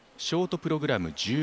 ショートプログラム